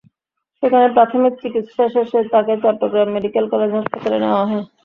সেখানে প্রাথমিক চিকিত্সা শেষে তাঁকে চট্টগ্রাম মেডিকেল কলেজ হাসপাতালে নেওয়া হয়।